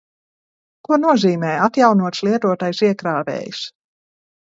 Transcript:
Ko nozīmē atjaunots lietotais iekrāvējs?